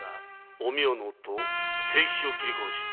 おみわの夫・清吉を斬り殺し